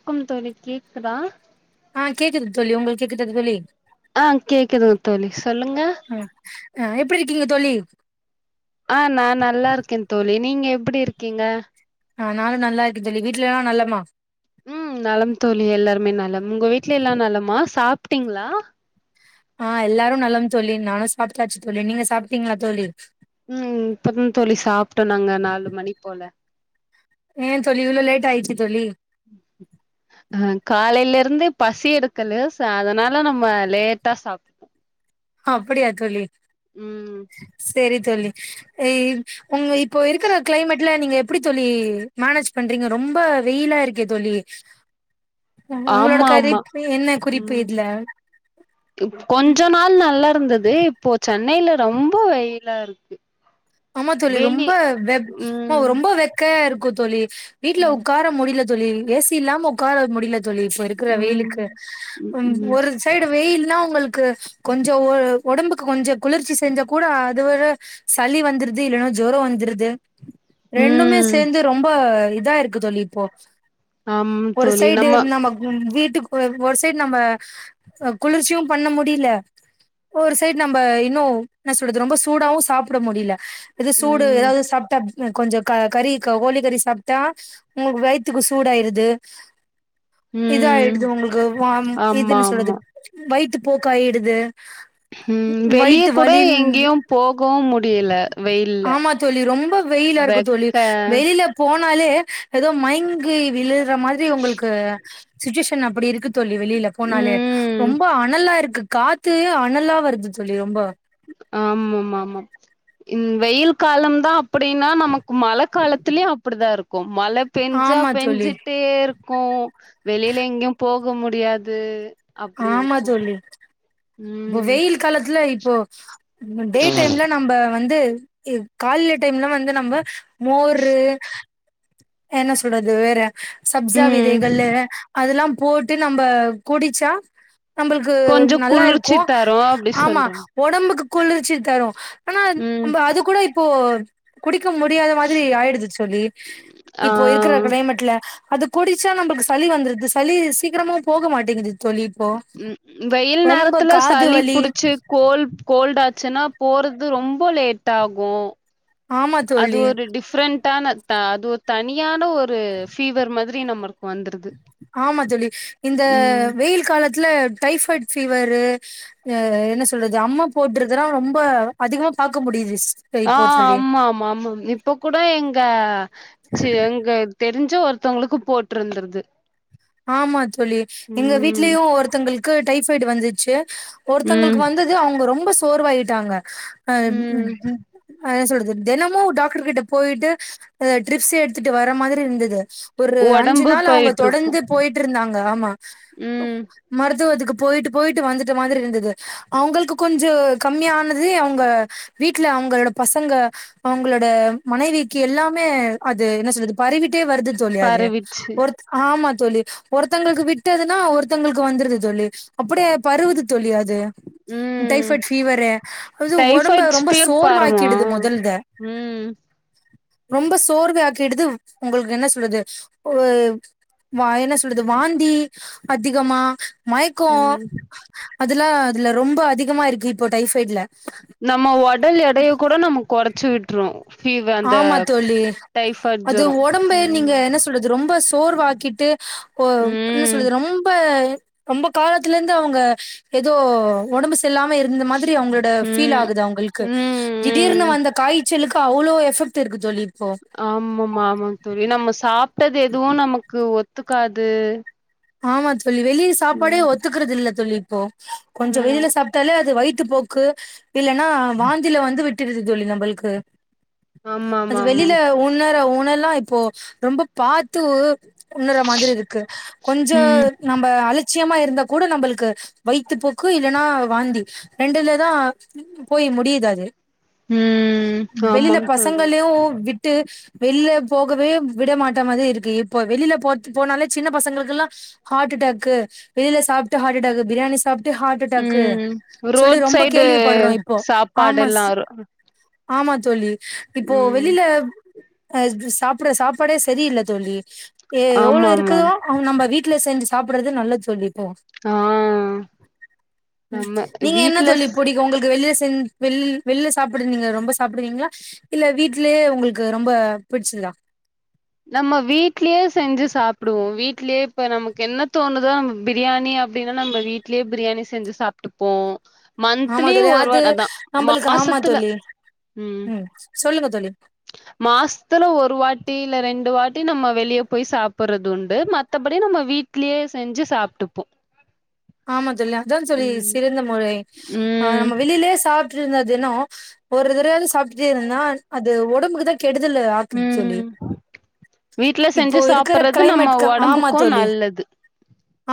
ணக்கும் தோழி கேக்குதா ஆ கேக்குது தோழி உங்களுக்கு கேக்குதா தோழி ஆ கேக்குதுங்க தோழி சொல்லுங்க ஆ அ எப்படி இருக்கீங்க தோழி ஆ நான் நல்லா இருக்கேன் தோழி நீங்க எப்படி இருக்கீங்க ஆ நானு நல்லா இருக்கே தோழி வீட்ல எல்லாரு நலமா ம் நலம் தோழி எல்லாருமே நலம் உங்க வீட்ல எல்லா நலமா சாப்ட்டீங்களா ஆ எல்லாரும் நலம் தோழி நானு சாப்ட்டாச்சு தோழி நீங்க சாப்ட்டீங்களா தோழி ம் இப்ப தா தோழி சாப்ட்டோ நாங்க நாலு மணி போல ஏ தோழி இவல லேட் ஆயிச்சி தோழி ஆ காலையில இருந்து பசி எடுக்கல சோ அதனால நம்ம லேட்டா சாப்பிட அப்படியா தோழி ம் செரி தோழி இ உங்க இப்போ இருக்கிற கிளைமேட்ல நீங்க எப்டி தோழி மேனேஜ் பண்றீங்க ரொம்ப வெயிலா இருக்கே தோழி உங்களோட ஆமா ஆமா கருப் என்ன குறிப்பு ம் இதுல கொஞ்ச நாள் நல்லா இருந்தது இப்போ சென்னையில ரொம்ப வெயி ல்லா இருக்கு ஆமா தோழி வெளி ரொம்ப வெ ஆமா ம் ரொம்ப வெக்கையா இருக்கு தோழி வீட்ல ம் ஒக்கார முடியல தோழி ஏ சி இல்லாம உக்கார முடியல தோழி இப்ப இருக்கிற ம் வெயிலுக்கு ம் ஒரு சைடு வெயில்னா உங்களுக்கு கொஞ்ச உடம்புக்கு கொஞ்சம் குளிர்ச்சி செஞ்சா கூட அதுவட சளி வந்து ருது இல்லன்னா ஜொரம் வந்துருது ரெண்டுமே ம். சேர்ந்து ரொம்ப இதா இருக்கு தோழி போ ஆமா ஒரு தோழி. சைடு நம்ம வீட்டுக்கு ஒரு சைடு நம்ம குளிர்ச்சியும் பண்ண முடியல ஒரு சைட் நம்ம இன்னு என்ன சொல்றது ரொம்ப சூடாவு சாப்பிட முடியல இது சூடு ம். எதாவது சாப்பிட்டா கொஞ்ச க கறி கோழிக்கறி சாப்ட்டா உங்களுக்கு வயித்துக்கு சூடாயிருது ம். இதாயிடுது உங்களுக்கு வாம் ஆமா, இதுன்னு சொல்றது ஆமா. வயித்து போக்காயிடுது ம் வெளிய வயித்து கூட வலின் எங்கேயும் போகவும் முடியல வெயில்ல. ஆமா தோழி ரொம்ப வெயிலா இருக்கு தோழி வெக்க வெளில போனாலே ஏதோ மய்ங்கி விழுற மாதிரி உங்களுக்கு சுச்சுவேஷன் அப்படி இருக்கு தோழி வெளியில போனாலே ம். ரொம்ப அனலா இருக்கு காத்து அனலா வருது தோழி ரொம்ப ஆமாமா மா இன் வெயில் காலம்தா அப்படின்னா நமக்கு மழ காலத்துலயு அப்படி தா இருக்கு மழை பெஞ்சா ஆமா தோழி பெஞ்சுட்டே இருக் கு வெளியில எங்கேயு போக முடியாது அப்டி ஆமா இருக்கும். தோழி இப்ப ம். வெயில் காலத்துல இப்போ டே டைம்ல நம்ப வந்து காலில டைம்ல வந்து நம்ப மோரு என்ன சொல்றது வேற சப்ஷா ம். விதைகள்ளு அதெல்லா போட்டு நம்ப குடிச்சா நம்பளுக்கு கொஞ்சம் நல்லா குளிர்ச்சி இருக்கு தரும் அப்டி ஆமா சொல்றாங்க. ஒடம்புக்கு குளிர்ச்சி தரு ஆனா ம். நம்ப அது கூட இப்போ குடிக்க முடியாத மாதிரி ஆயிடுது தோழி இப்போ இருக்ற ஆ. கிளைமேட்ல அது குடிச்சா நம்பளுக் சளி வந்துருது சளி சீக்கிரமா போக மாட்டேங்குது தோழி இப்போ ம் வெயில் ரொம்ப நேரத்துல காது சளி வலி புடிச்சு கோல் கோல்டு ஆச்சுன்னா போறது ரொம்ப லேட் ஆகு ஆமா அது தோழி ஒரு டிஃப்ரெண்ட்டான தா அது ஒரு தனியான ஒரு ஃபீவர் மாதி ரி நம்ம ஆமா தோழி இந்த ம் வெயில் காலத்துல டைபாய்ட் ஃபீவரு எ என்ன சொல்றது அம்மா போட்டுருதுல்லா ரொம்ப அதிகமா பாக்க முடியுது ஆ இப்போ தோழி ஆமாம் ஆமாம் இப்ப கூட எங்க சி எங்க தெரிஞ்ச ஒருத்தவங்களுக்கு போட்டுருந்துருது ஆமா தோழி எங்க ம் வீட்லயு ஒருத்தங்களுக்கு டைஃப்பைடு வந்துச்சு ஒருத்தங்களுக்கு ம் வந்து து அவங்க ரொம்ப சோர்வாகிட்டாங்க ம் என்ன சொல்றது தினமு டாக்டர் கிட்ட போயிட்டு அ ட்ரிப்ஸ் எடுத்துட்டு வர மாதிரி இருந்தது ஒரு அஞ்சு ஒடம்பு நாள் அவங்க போயிட்ருக்கு தொடர்ந்து போயிற்றுருந்தாங்க ஆமா ம் மருத்துவத்துக்கு போயிட்டு போயிட்டு வந்துட்டு மாதிரி இருந்தது அவங்களுக்கு கொஞ்ச கம்மியானதி அவங்க வீட்ல அவங்களோட பசங்க அவங்களோட மனைவிக்கு எல்லாமே அது என்ன சொல்றது பறிவிட்டே வருது தோழி அது பரவிச்சு ஒருத் ஆமா தோழி ஒருத்தங்களுக்கு விட்டதுன்னா ஒருத்தங்களுக்கு வந்துருது தோழி அப்படியே பருவுது தோழி அது ம் டைஃபாய்ட் ஃபீவரு அது உடம்ப டைஃபாய்ட்ஸ் ரொம்ப ஃபீவர் பாருமா சோர்வாக்கிடுது முதல்த ம் ரொம்ப சோர்வை ஆக்கிடுது உங்களுக்கு என்ன சொல்றது ஒ வா என்ன சொ ல்றது வாந்தி அதிகமா மயக்கோ ம் அதல்லா அதுல ரொம்ப அதிகமா இருக்கு இப்போ டைஃபைட்ல நம்ம ஒடல் எடைய கூட நம்ம கொறச்சி விட்ரு ஃபீவ அந்த ஆமா தோழி டைஃபாய்ட் அது ஜொரோ உடம்பு ம் நீங்க என்ன சொ ல்றது ரொம்ப சோர்வாக்கிட்டு ஓ என்ன ம் சொல்றது ரொம்ப ரொம்ப காலத்துல இருந்து அவங்க ஏதோ ஒடம்பு செல்லாம இருந்த மாதி ரி அவங்களோட ஃபீல் ம் ஆகுது அவங்கள்க்கு ம் திடீர்னு ம் வந்த காய்ச்சலுக்கு அவ்ளோ எ பெக்ட் இருக்கு தோழி இப்போ ஆமம்மா ஆமாங் தோழி நம்ம சாப்ட்டது எதுவு நமக்கு ஒத்துக்காது ஆமா தோழி வெளிய சாப்பாடே ம் ஒத்துக்கறது இல்ல தோழி இப்போ கொஞ்ச ம் வெளில சா ப்டாலே அது வயித்து போக்கு இல்லன்னா வாந்தில வந்து விட்டுருது தோழி நம்பளுக்கு அது வெளியில ஆமாமாமாம் உண்ணர உன்னல்லா இப்போ ரொம்ப பாத்து உண்ணற மாதிரி இருக்கு கொஞ்ச ம் நம்ம அலட்சியமா இருந்தா கூட நம்பளுக்கு வைத்துப்போக்கு இல்லன்னா வாந்தி ரெண்டுலதா போய் முடியுது அது ம் வெளியில ஆமாம் தோழி பசங்களயு விட் டு வெளியில போகவே விட மாட்ட மாதிரி இருக்கு இப்ப வெளியில போ போனாலே சின்ன பசங்களுக் ல்லா ஹார்ட்டடாக்கு வெளியில சாப்ட்டு ஹார்ட்டடாக்கு பிரியாணி சாப் ஹார்ட்டடாக்கு ம் சொல்லி ரோட் ரொம்ப சைடு கேள்வி பற்றோ இப்போ ஆமா சாப்பாடெல்லா சிஸ் ஆமா தோழி இப்போ ம் வெளில அஹ் சாப்புர சாப்பாடே சரியில்ல தோழி‌ எவ்ளோ இருக்குதோ ஆமாமாம் அவ நம்ப வீட்டுல செஞ்சு சாப்பிடுறது நல்லது சொல்லிப்போ ஆ உம் நம்ம நீங்க என்ன வீட்ல தோழி ஸ் பொடி உங்களுக்கு வெளியில செஞ் வெ வெள்ல சாப்பாடு நீங்க ரொம்ப சாப்பிடுவீங்களா இல்ல வீட்லயே உங்களுக்கு ரொம்ப பிடிச்சதா நம்ம வீட்லயே செஞ்சு சாப்டுவோ வீட்லயே இப்ப நமக்கு என்ன தோணுதோ நம்ம பிரியாணி அப்டின்னா நம்ம வீட்லயே பிரியாணி செஞ்சு சாப்ட்டுப்போ ஆமா மந்த்த்லி தோழி ஒரு அது வாட தா நம்மளுக்கு ஆமா மாசத்துல தோழி உம் ம் சொல்லுங்க தோழி மாசத்துல ஒரு வாட்டி இல்ல ரெண்டு வாட்டி நம்ம வெளிய போய் சாப்பிறதுண்டு மத்தபடி நம்ம வீட்லயே செஞ்சு சாப்ட்டுப்போ ஆமா தோழி அதா தோழி ம் சிறந்த முறை ஆஹ் ம் நம்ம வெளியிலேயே சாப் சாப்ட்டு இருந்தே தினோ ஒரு தடவயாது சாப்டுட்டே இருந்தேனா அது உடம்புக்கு தா கெடுதலு ஆக்குது தோழி ம் வீட்ல இப்போ செஞ்சு இருக்கிற சாப்புறது நம்ம கிளைமேட்கு ஆமா ஒடம்புக்கு தோழி நல்லது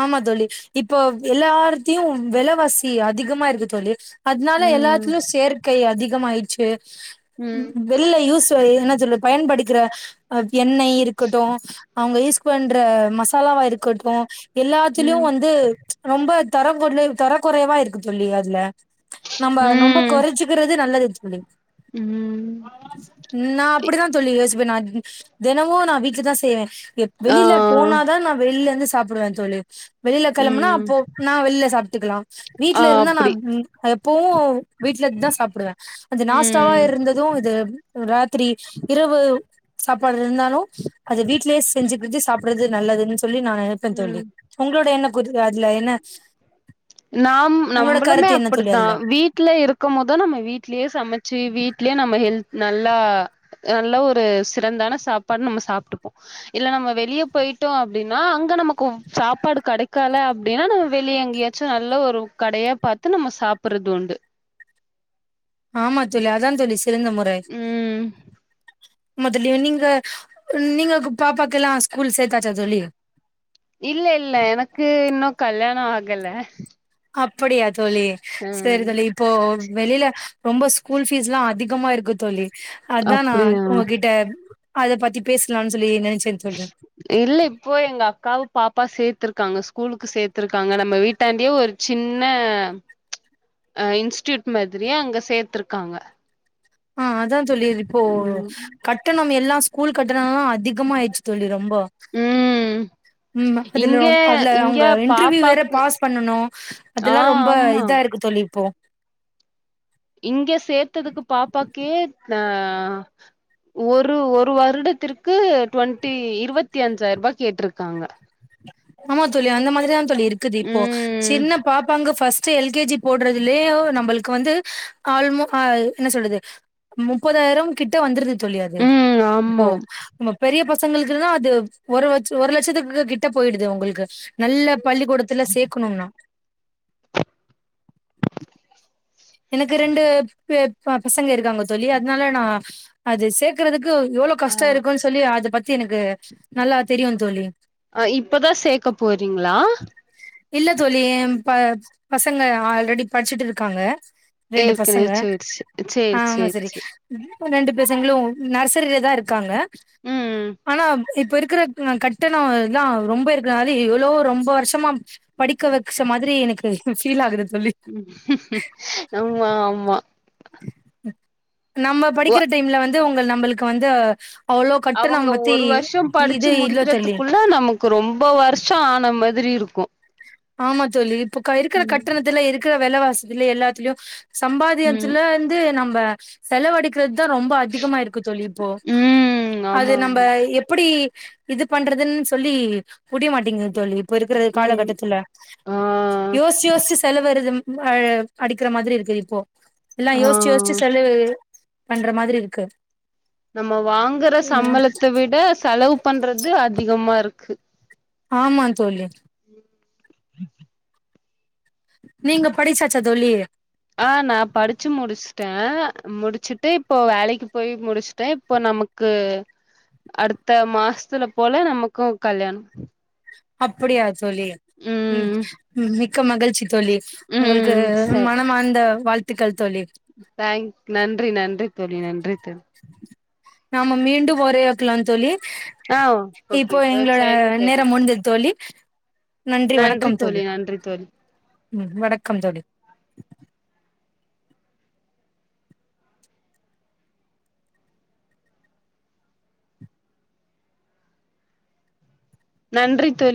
ஆமா தோழி இப்போ எல்லாத்தையு விலவாசி அதிகமா இருக்கு தோழி அதனால ம் எல்லாத்லயு சேற்கை அதிகமாயிருச்சு ம் வெள்ள யூஸ் என்ன சொல்ல பயன்படுக்கிறஹ் எண்ணெய் இருக்கட்டு அவங்க யூஸ் பண்ற மசாலாவா இருக்கட்டு எல்லாத்லயு ம் வந்து ரொம்ப தர கொட தர குறைவா இருக்குதுல்லயா அதுல நம்ம ரொம்ப ம் குறைச்சுக்கிறது நல்லது தோழி ம் நா அப்டிதா தோழி யோசிப்பே நானு தினமு நா வீட்ல தா செய்வே ஆ வெளியில போனாதா நா வெளியில இருந்து சாப்பிடுவே தோழி வெளியில கிளம்புனா ம் நா வெளில சாப்ட்டுக்கலா ஆ வீட்ல இருந்தா நா அப்டி நா எப்பவு வீட்டுல இருந்துதா சாப்பிடுவே அது நாஸ்டாவா ம் இருந்து தூங்குது ராத்திரி இரவு‌ சாப்பாடு இருந்தாலு அது வீட்லயே செஞ்சு வச்சு சாப்பிறது நல்லதுன்னு சொல்லி நா நினைப்பே தோழி ம் உங்களோட என்ன குரு நாம் உங்களோட நம்மளுமே கருத்து என்ன தோழி அப்டித்தா அதுல வீட்டு வீட்ல இருக்கும் போது நம்ம வீட்லயே சமச்சு வீட்லயே நம்ம ஹெல்த் நல்லா நல்ல ஒரு சிறந்தான சாப்பாடு நம்ம சாப்ட்டுப்போ இல்ல நம்ம வெளியே போயிட்டோ அப்டின்னா அங்க நமக்கு சாப்பாடு கிடைக்கல அப் அப்டின்னா நம்ம வெளிய எங்கேயாச்சு நல்ல ஒரு கடையா பாத்து நம்ம சாப்பிடுறது உண்டு ஆமா தோழி அதா தோழி சிறந்த முறை ம் மொதல்ல நீங்க நீங்க பாப்பாக்கு எல்லா ஸ்கூல்ல சேத்தாச்சா தோழி இல்ல இல்ல எனக்கு இன்னு கல்யாணோ ஆகல அப்டியா தோழி அ செரி தோழி இப்போ வெளில ரொம்ப ஸ்கூல் ஃபீஸ்ல்லா அதிகமா இருக்கு தோழி அததான் நா அப்டியா உங்ககிட்ட அத பத்தி பேசலான்னு சொல்லி நெனச்சேன் தோழி இல்ல இப்போ எங்க அக்காவு பாப்பா சேத்திருக்காங்க ஸ்கூலுக்கு சேத்திருக்காங்க நம்ம வீட்டாண்டயே ஒரு சின்ன இன்ஸ்டியூட் மாதிரி அங்க சேத்திருக்காங்க ஆ அதான் தோழி இப்போ ம் கட் டணமெல்லா ஸ்கூல் கட்டணோ எல்லா அதிகமா ஆயிச்சு தோழி ரொம்போ ம் ம் அதுல இங்க அதுல இங்க அவுங்க இன்டர்வியூ வேற பாப்பாக்கு பாஸ் பண்ணனு ஆ அதெல்லா ரொம்ப ஆமா இதா இருக்கு தோழி இப்போ இங்க சேத்ததுக்கு பாப்பாக்கே அ ஒரு ஒரு வருடத்திற்கு டுவெண்ட்டி இருவத்தி அஞ்சாயிர ரூபா கேட்டிருக்காங்க ஆமா தோழி அந்த மாரிதா தோழி இருக்குது இப்போ ம் சின்ன பாப்பாங்க first L K G போடுறதுலயே நம்மளுக்கு வந்து ஆல்மோ அ என்ன சொல்றது முப்பதாயிரோன் கிட்ட வந்துருது தோழி அது ம் இப்போ ஆமா நம்ம பெரிய பசங்களுக்கெல்லா அது ஒரு ஒரு லட்சத்துக்கு கிட்ட போயிடுது உங்களுக்கு நல்ல பள்ளிக்கூடத்துல சேக்கணுனா எனக்கு ரெண்டு ப் பசங்க இருக்காங்க தோழி அதனால நா அது சேக்கறதுக்கு எவ்ளோ ஆ கஷ்டோ இருக்குன் சொல்லி அத பத்தி எனக்கு நல்லா தெரியுந் தோழி அ இப்பதா சேக்க போறீங்ளா இல்ல தோழி என் ப பசங்க ஆல்ரெடி படிச்சிட்டு இருக்காங்க ரெண்டு ஏற்கனவே பசங்க சேரி சே ஆ சேரி ஆமா சேரி சரி சேரி ரெண்டு பசங்களு நர்சரிலதா இருக்காங்க ம் ஆனா இப்ப இருக்கற கட்டணோ எல்லா ரொம்ப இருக்கறனால இவ்ளோ ரொம்ப வருஷமா படிக்க வெக்ஷமாரி எனக்கு ஃபீல் ஆகுது தோழி ஆமா ஆமா நம்ம ஒ படிக்கற டைம்ல வந்து உங்கள் நம்மள்க்கு வந்து அவ்ளோ அவங்க கட்டணொம் பத்தி இது இல்ல தோழி தா நமக்கு ரொம்ப வருஷோ ஆன மாதிரி இருக்கு ஆமா தோழி இப்ப க இருக்கற ம் கட்டணத்துல இருக்கற வெலவாசிதில்ல எல்லாத்துலயு ம் சம்பாதியத்துல வந்து நம்ப செலவடிக்கறதுதா ரொம்ப அதிகமா இருக்கு தோழி இப்போ ம் அது ஆமா நம்ப ஆமா எப்டி இது பண்றதுன்னு சொல்லி புடிய மாட்டேங்குது தோழி இப்ப இருக்கற ம் காலகட்டத்துல ஆ யோசிச்சு யோசிச்சு செல வருது அடிக்கற மாதிரி இருக்குது இப்போ எல்லா ஆ யோசிச்சு யோசிச்சு செலவு பண்ற மாதிரி இருக்கு நம்ம வாங்கற ம் சம்பளத்த விட செலவு பண்றது அதிகமாருக்கு ஆமாந் தோழி நீங்க படிச்சாச்சா தோழி ஆ நா படிச்சு முடிச்சிட்ட முடிச்சிட்டு இப்போ வேலைக்கு போய் முடிச்சிட்ட இப்போ நம க்கு அடுத்த மாசத்துல போல நமக்கு கல்யாணோ அப்படியா தோழி ம் மிக்க மகிழ்ச்சி தோழி உங்களுக்கு ம் சரி மன மார்ந்த வாழ்த்துக்கள் தோழி தேங்க் நன்றி நன்றி தோழி நன்றி தோழி நாம மீண்டு ஒரையாட்டுலா தோழி ஆ ஓகே இப்போ எங்களோட சரிங்க தோழி நேரோ முடிஞ்சது தோழி நன்றி வணக்கம் தோழி ம் வணக்கம் தோழி நன்றி தோழி